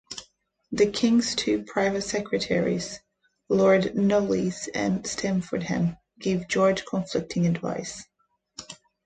The King's two private secretaries, Lords Knollys and Stamfordham, gave George conflicting advice.